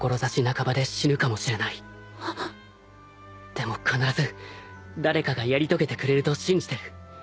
でも必ず誰かがやり遂げてくれると信じてる。